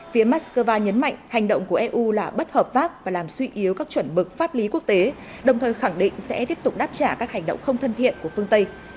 phía moscow nhấn mạnh hành động của eu là bất hợp pháp và làm suy yếu các chuẩn mực pháp lý quốc tế đồng thời khẳng định sẽ tiếp tục đáp trả các hành động không thân thiện của phương tây